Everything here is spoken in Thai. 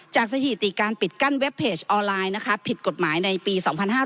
สถิติการปิดกั้นเว็บเพจออนไลน์นะคะผิดกฎหมายในปี๒๕๕๙